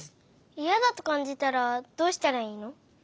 いやだとかんじたらどうしたらいいの？